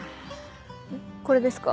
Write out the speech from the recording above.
これですか？